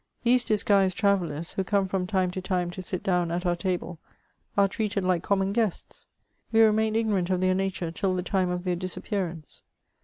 These disguised trayellers, who come from time to time to sit down at our tahle, are treated like common guests; we remain ignorant of their nature till the time of their disappear ance.